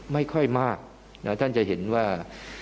ไม่ค่อยมากนะท่านจะเห็นว่า